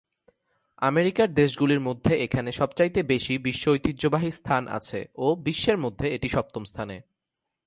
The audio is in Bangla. আমেরিকার দেশগুলির মধ্যে এখানে সবচাইতে বেশি বিশ্ব ঐতিহ্যবাহী স্থান আছে ও বিশ্বের মধ্যে এটি সপ্তম স্থানে।